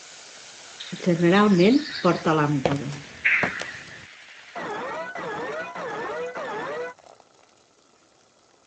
Generalment porta làmpada.